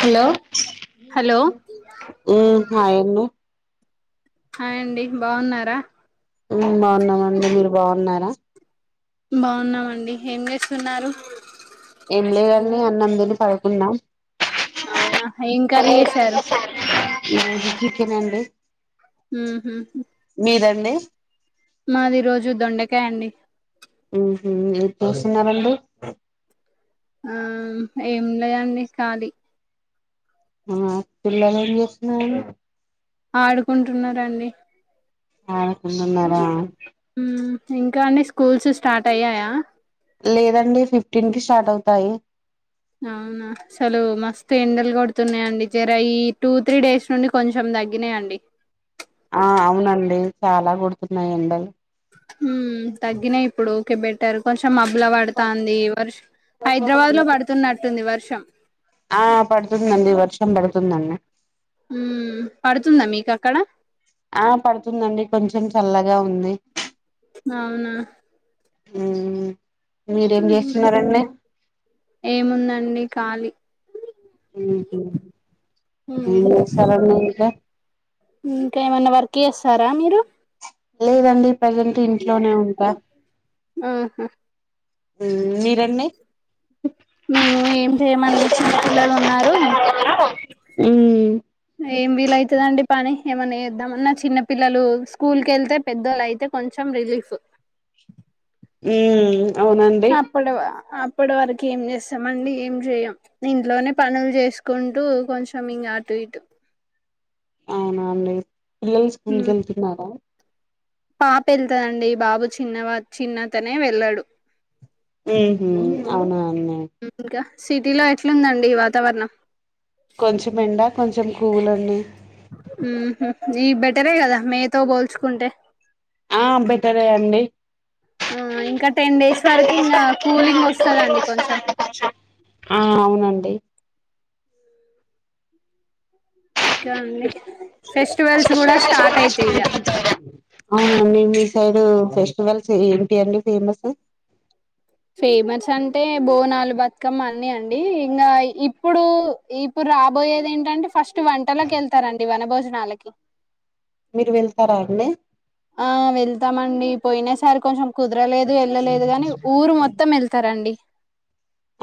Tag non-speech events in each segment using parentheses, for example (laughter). Hello hello హాయండి hi అండి బావున్నారా బావున్నామండి మీరు బావున్నారా బావున్నామండి ఏం చేస్తున్నారు ఎమ్లేదండి అన్నంతిని పడుకున్నాం అవునా ఏం కర్రీ చేసారు మా ఇంట్లో చికెనండి ఊ హు మీరండి మాది ఈ రోజు దొండకాయండి ఊహు ఏం చేస్తున్నారండి ఆ ఏం లేయండి కాలి ఆ పిల్లలు ఏం చేస్తున్నారండి ఆడుకుంటున్నారండి ఆడుకుంటున్నార మ్ ఇంకా అండి స్కూల్స్ స్టార్ట్ అయ్యాయా లేదండి ఫిఫ్టీన్ కి స్టార్ట్ అవుతాయి అవునా అసలు మస్తు ఎండలు కొడుతున్నాయండి జర ఈ టూ త్రీ డేస్ నుండి కొంచెం తగ్గినాయండి ఆ అవునండి చాలా కొడుతున్నాయి అండి ఉ తగ్గినాయి ఇప్పుడు ఒకే బె ట్టారు కొంచెం మబ్బుల పడుతాంది వర్షం హైదరాబాద్ లో పడుతున్నట్టుంది వర్షం ఆ పడుతుందండి వర్షం పడుతుందండి ఉమ్ పడుతుందా మీకు అక్కడ ఆ పడుతుందండి కొంచెం చల్లగా ఉంది అవునా మీరేం చేస్తున్నారండి ఏముందండి కాళీ ఊ హు ఏంచేస్తారండి ఇక ఇంకా ఏమన్నా వర్క్ చేస్తారా మీరు లేదండి ప్రజెంట్ ఇంట్లోనే ఉంటా ఆహా మీరన్నీ మేము ఏమి చేయమండి చిన్నపిల్లలు ఉన్నారు ఉమ్ ఏం వీలయితుందండి పని ఏమన్నా చేద్దామన్నా చిన్న పిల్లలు స్కూల్ కి వెళ్తే పెద్దోళ్ళయితే కొంచెం రిలీఫ్ ఉమ్ అవునండి అప్పుడు అప్పటి వరకు ఏం చేస్తాం మండి ఏం చేయం ఇంట్లోనే పనులు చేసుకుంటూ కొంచెం ఇంగా అటు ఇటు అవునండి పిల్లలు స్కూల్ కి వెళ్తున్నారా పాప ఎళ్తదండి బాబు చిన్నవ చిన్నతనే వెళ్ళాడు ఉహు అవునా అన్ని ఇంకా సిటీలో ఎట్లుందండి వాతావరణం కొంచెం ఎండ కొంచెం కూల్ అండి ఉమ్ హు ఈ బెటరే గదా మే తో బోల్చుకుంటే ఆ బెటరే అండి ఆ ఇంకా టెన్ డేస్ వరకి ఇంగా కూలింగ్ ఒస్సదండి కొంచెం ఆ అవునండి. ఫెస్టివల్స్ గూడా స్టార్ట్ అయితై ఇగా అవునండి మీ సైడూ ఫెస్టివల్స్ ఏంటి అండి ఫేమసు ఫేమస్ అంటే బోనాలు బత్కమ అన్ని అండి ఇంగా ఇప్పుడు ఇప్పుడు రాబోయేది ఏంటంటే ఫస్ట్ వంటకెళ్తారండి వన భోజనాలకి మీరు వెళ్తారా అండి ఆ వెళ్తామండి పోయ్నసారి కొంచెం కుద్ర లేదు ఎళ్ళలేదు గాని ఊరు మొత్తం ఎళ్తారండి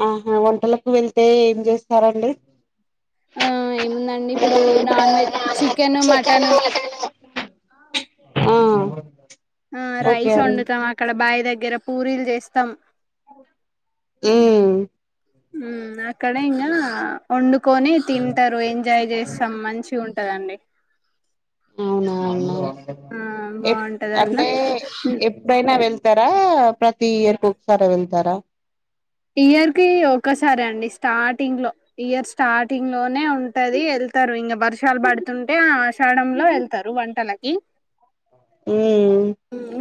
ఆహా వోంటలకు వెళ్తే ఎన్ జెస్తారండి ఆ ఏముందండి ఇప్పుడూ నాన్వెజ్ చికెను మటను ఆ ఆ ఓకే రైస్ అండి ఒండుతం అక్కడ బాయ్ దెగ్గర పూరీల్ జేస్తాం ఉమ్ ఉమ్ అక్కడ ఇంగా ఒండుకొని తింటరు ఎంజాయ్ జెస్ త మంచిగుంటది అన్ని అవునవును ఆ ఎప్ బాగుంటది అట్లా అంటే ఎప్ పైనా వెళ్తారా ప్రతి ఇయర్కి ఒకసారె వెళ్తారా ఇయర్ కి ఒక సారె అండి స్టార్టింగ్లో ఇయర్ స్టార్టింగ్లోనే ఉంటది ఎళ్తరు ఇంగా బర్షాలు బడ్తుంటే ఆషాడంలో వెళ్తరు వ తనకి ఉ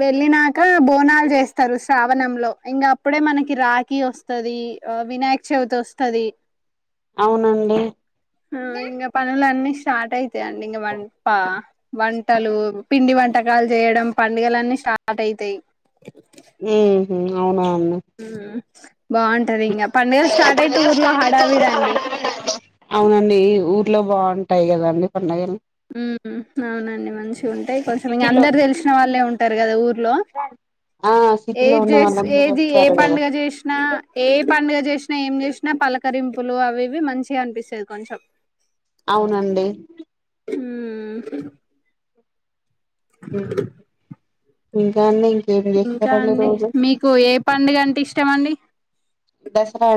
వెళ్ళినాకా బోనాల్ జేస్తారు శ్రావణంలో ఇంగా అప్పుడే మనకి రాఖీ వోస్ తదీ ఆ వినాయ్క్ చవ్తి ఒస్తది అవునండి. ఆ ఇంగా పనులన్నీ స్టార్ట్ అయితేయండి ఇంగా వంప వంటాలు పిండి వంటకాల్ జెయడం పండగలన్నీ స్టార్ట్ అయితై ఉమ్ హు అవునవును బావుంటది ఇంగా పండగ స్టార్ట్ అయితై ఊర్లో హడావిడండి అవునండి ఊర్లో బావుంటై గదండి పండగలు ఉహు అవునండి మంచిగుంటై కొంచెం ఇంగ సిటీలో అందరూ దెల్షిన వాళ్ళే ఉంటరు గద ఊర్లో ఆ సిటీలో ఏద్ ఉన్న జెష్ వాళ్ళందరూ ఏది ఏ వస్తారు కదా పండగ జెష్నా ఏ పండ్గ జేష్నా ఏం జేష్నా పలకరింపులు అవివి మంచిగా అన్పిస్సది కొంచెం అవునండి ఉమ్ ఉమ్. (inaudible) ఇంకా అండి ఇంకేం జేస్తారండి రోజు కు ఏ పండ్గ అంటే ఇష్టమండి. దస్రా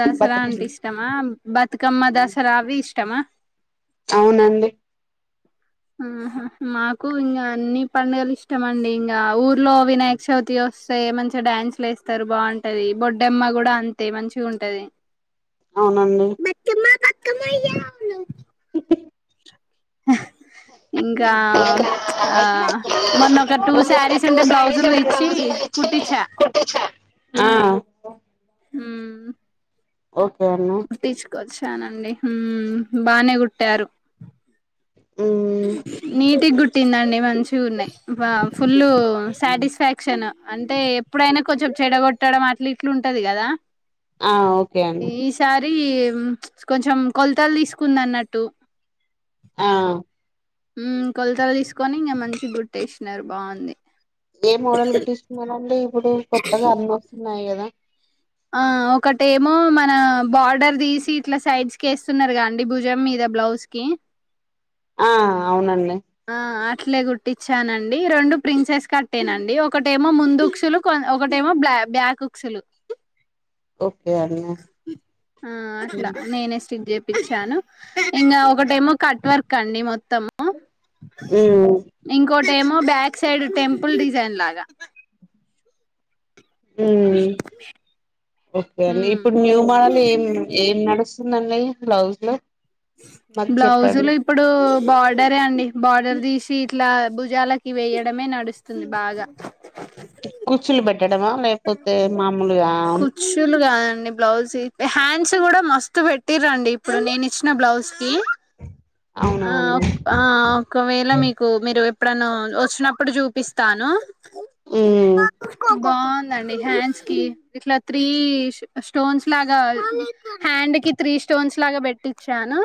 దసరా అంటే బతుకమ్మ ఇస్ ష్టమా బతుకమ్మ దసరా అవి ఇష్టమా అవునండి ఆహా మాకు ఇంకా అన్ని పండుగలు ఇష్టమండి ఇంకా ఊర్లో వినాయ్ చవితి వస్తే మంచిగా డ్యాన్సులెస్తారు బావుంటది బొడ్డెమ్మ కూడా అంతే మంచిగుంటది (inaudible) అవునండి బతుకమ్మ బతుకమ్మ ఉయ్యాలో ఆ ఇంకా ఆ మొన్న ఒక టూ శారీస్ ఉంటే బ్లౌజులు ఇచ్చి కుట్టిచ కుట్టించ మ్ ఉమ్ ఓకే అన్న కుట్టించుకొచ్చానండి హ్మ్ బానే కుట్టారు ఉమ్ నీటిగుట్టిందండి మంచి ఉన్నాయి బా ఫుల్ సాటిస్ఫాక్షన్ అంటే ఎప్పుడైనా కొంచెం చెడగొట్టడం అట్ల ఇట్ల ఉంటది కదా ఆ ఓకే అండి సారి కొంచెం కొలతలు తీసుకుంది అన్నట్టు ఆ మ్ కొలతలు తీసుకొని ఇంకా మంచి గుట్టెసినారు బాంది ఏ మోడల్ కుట్టిచ్చుకున్నారండి ఇప్పుడు కొత్తగా అన్నోస్తున్నాయి గదా ఆ ఒకటేమో మన బార్డర్ తీసి ఇట్లా సైడ్స్కి ఎస్తున్నారుగా అండి భుజం మీద బ్లౌస్కి ఆ అవునండి ఆ అట్లే గుట్టిచ్చానండి రెండు ప్రిన్సెస్ కట్టెనండి ఒకటేమో ముందుక్సులు కొ ఒకటేమో బ్లా బ్యాక్క్సులు ఓకే అండి ఆ అట్లా ఉమ్ నేనే స్టిట్చ్ జె పించాను ఇంకా ఒకటేమో కట్ వర్క్ అండి మొత్తము హ్మ్ ఇంకోటేమో బ్యాక్ సైడ్ టెంపుల్ డిజైన్ లాగా హ్మ్ ఓకే అండి ఉమ్ ఇప్పుడు న్యూ మోడల్ ఏం ఏం నడుస్తుంది నల్లయే బ్లౌజ్లో బ్లౌజులు ఇప్పుడు బార్డరే అండి బార్డర్ తీసి ఇట్లా భుజాలకి వేయడమే నడుస్తుంది బాగా కుచ్చులు పెట్టడమా లేకపోతే మామూలుగా సులు కాదండి బ్లౌజ్ హ్యాండ్స్ కూడా మస్తు పెట్ టిరండి ఇప్పుడు నేను ఇచ్చిన బ్లౌజ్కి అవునా ఆ అండి ఆ ఒకవేళ మీకు మీరు ఎప్పుడన్న వచ్చినప్పుడు చూపిస్తాను ఉమ్ బాదండి హ్యాండ్స్కి ఇట్లా త్రీ స్టోన్స్ లాగా హ్యాండ్కి త్రీ స్టోన్స్ లాగా పెట్టించాను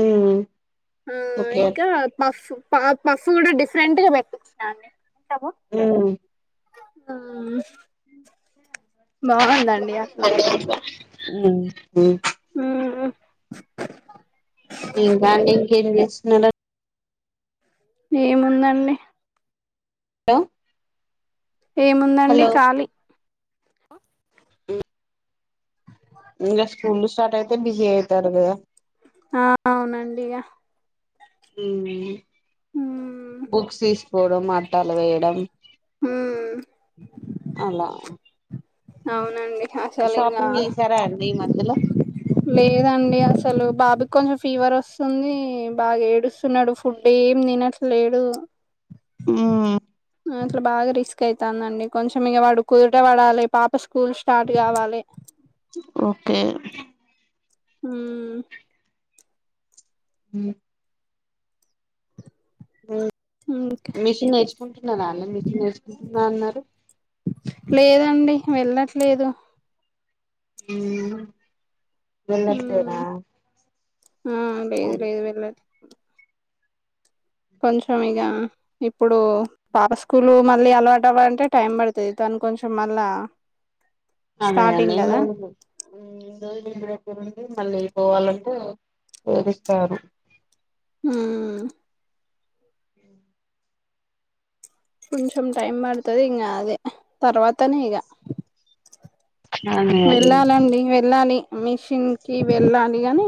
ఉమ్ ఆ ఓకే ఇంకా పఫ్ ప పఫ్ కూడా డిఫరెంట్గా పెట్టిచ్చిన అండి టవో ఉమ్ ఆ అట్లా బాగుందే ఉ ఉ ఉహు దీని బ్యాండింగ్ ఏం చేసినాడా ఏముందండి హలో ఏముందండి హలో ఖాళీ ఇంకా స్కూల్ స్టార్ట్ అయితే బిజీ అయితారు కదా ఆ అవునండి ఇగా ఉమ్ బుక్స్ తీసుకోవడం ఆట్టాలు వేయడం అలా అవునండి అసలింగా షాపింగ్ చేసారా అండి ఈ మధ్యలో లేదండి అసలు బాబుకి కొంచెం ఫీవర్ వస్తుంది బాగా ఏడుస్తు తిన్నడు ఫుడ్ ఏం తినట్లేడు ఆ అట్లా బాగా రిస్క్ అయితాందండి కొంచెం ఇక వాడు కుదుట పడాలి పాప స్కూల్ స్టార్ట్ కావాలి ఓకే హుమ్ ఉ ఉ ఇంకా మిషన్ నేర్చుకుంటున్నారా అండి మిషన్ నేర్చుకుంటున్నా అన్నారు లేదండి వెళ్లట్లేదు ఊ మ్మ్ వెళ్లట్లేదా ఆ లేదు లేదు వెళ్ళలి కొంచెం ఇగ ఇప్పుడు పాప స్కూలు మళ్ళీ అలవాటు అవాలంటే టైం పడుతుది తను కొంచెం మళ్ళా అదే స్టార్టింగ్ ఎండింగ్ కదా ఉ ఇండ్రోజులు ఇంటి దగ్గరుండి మళ్ళీ పోవాలంటే ఎడుస్తారు ఉ ఉ కొంచెం టైం పడుతది ఇంగ అదే తర్వాత్ అత్తనేగా అదే అండి వెళ్ళాలండి వెళ్ళాలి మిషిన్ కి వెళ్ళాలి అని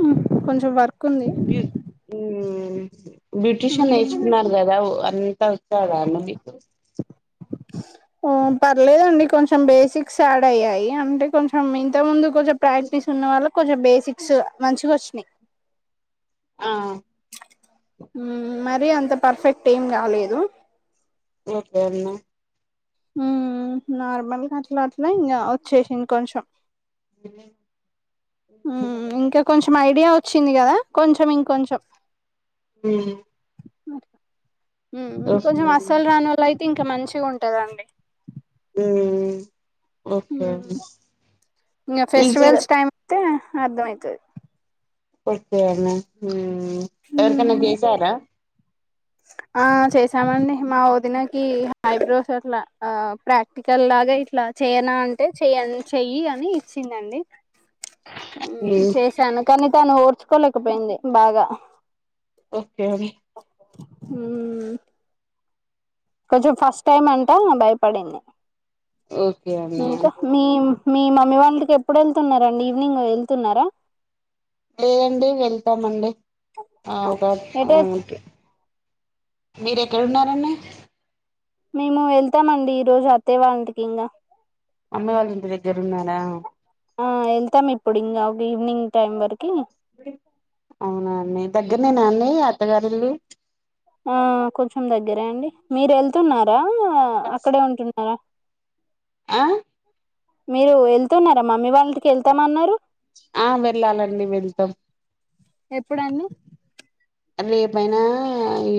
కొంచెం వర్క్ ఉంది బ్యూ హూ బ్యూటిషియన్ మ్మ్ నేర్చుకున్నారు కదా ఓ అంతా కదా అండి పర్లేదండి కొంచెం బేసిక్స్ యాడ్ అయ్యాయి అంటే కొంచెం ఇంత ముందు కొంచం ప్రాక్టీస్ ఉన్న వాళ్ళు కొంచెం బేసిక్స్ మంచిగా వచ్చినాయి ఆ ఉమ్ మరి అంత పర్ఫెక్ట్ ఏం కాలేదు వొద్దన్నా ఉ నార్మల్గా అట్లా అట్లా ఇంగ వచ్చేసింది కొంచెం అ ఉ ఇంకా కొంచెం ఐడియా వచ్చింది కదా కొంచం ఇంకొంచెం ఉ ఉ ఓకే కొంచెం అండి అసలు రాని వాళ్ళ అయితే ఇంకా మంచిగా ఉంటదండి ఉ ఉ మ్మ్ ఇగ ఈజీగా ఫెస్టివల్స్ టైమ్ అయితే అర్థం అయితది. ఓకే అండి ఎవరికన్నా బిఫ్యాడ. ఆ చేసామండి మా వదినకి హైబ్రోస్ అట్లా ఆ ప్రాక్. టికల్ లాగా ఇట్లా చేయనా అంటే చెయ్న్ చెయ్యి అని ఇచ్చిందండి. ఉ మ్మ్ చేశాను కానీ తాను ఓర్చుకోలేకపోయింది బాగా. ఓకే అని. ఉ. కొంచెం ఫస్ట్ టైమ్ అంటా భయపడింది. ఓకే అన్నయ్య. ఇంకా మీ మీ మమ్మీ వాళ్ ఇంటికి ఎప్పుడు వెళ్తున్నారా అండి ఈవినింగ్ వెళ్తున్నారా. లేదండి ఎల్థామ్ అండి ఆ ఒక ఎటే ఆ అంటే. మీరెక్కడ ఉన్నారండి. మేము వెళ్తామండి ఈ రోజు అత్తయ్య వాళ్ళింటికి ఇంగా. అమ్మ వాళ్ళు ఇంటి దగ్గర ఉన్నారా. ఆ వెళ్తాం ఇప్పుడు ఇంగ. వీవ్నింగ్ టైం వరకి. అవునాండి దగ్గరనేనా అండి అత్తగారిల్లు. ఆ కొంచెం దగ్గరే అండి మీరు వెళ్తున్నారా బస్ అక్కడే ఉంటున్నారా. ఆ. మీరు వెళ్తున్నారా మమ్మీ వాళ్ ఇంటికి ఎళ్తాం అన్నారు. ఆ వెళ్ళాలండి వెళ్తాం. ఎప్పుడండి. రేపైనా ఈ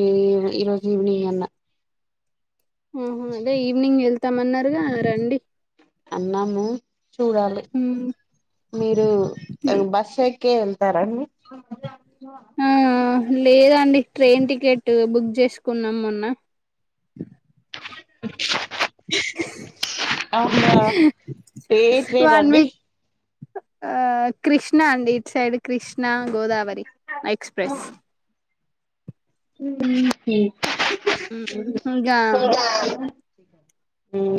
ఈరోజు ఈవినింగ్ అన్న. ఆహా అదే ఈవినింగ్ వెళ్తామ అన్నారుగా రండి. అన్నాము చూడాలి. మీరు బస్ ఎక్కే ఎళ్తారాండి. ఆ లేదండి ట్రైన్ టికెట్ బుక్ చేసుకున్నాం మొన్న. ఆ ఏ ట్రైన్ అండి. ఆ కృష్ణ అండి it side Krishna Godavari express. ఇంకా ఉహు.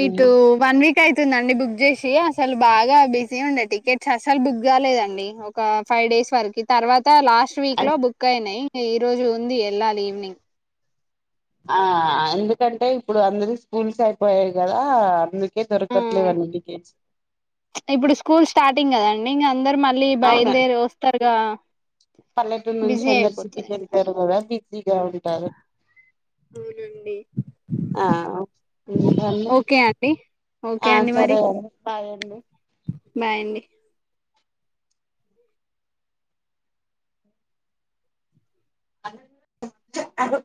ఇటు వన్ వీక్ అయితుందండి బుక్ చేసి అసలు బాగా బిజీ ఉండే టికెట్. ససల్ బుక్ కాలేదండి ఒక ఫైవ్ డేస్ వరకు తర్వాత లాస్ట్ వీక్ లో బుక్ అయినాయి. ఈ రోజు ఉంది ఎళ్ళాలి ఈవినింగ్. ఆ ఎందుకంటే ఇప్పుడు అందరూ స్కూల్స్ అయిపోయాయి కదా అందుకే ఆ దొరకట్లేదు అందుకే. ఇప్పుడు స్కూల్ స్టార్టింగ్ కదండి ఇంగ అందరు మళ్ళీ అవునా బయలుదేరి వస్తారుగా. పల్లెటూరు నుంచి బిజీ అందరూ అయిపోతది సిటీకి ఎళ్తారు కదా బిజీగా ఉంటారు. అవునండి. ఆ (unintelligible) ఓకే అండి ఓకే ఆ అండి మరి సరే అండి బాయ్. బాయ్ అండి. అ